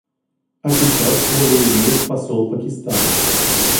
А сейчас слово имеет посол Пакистана.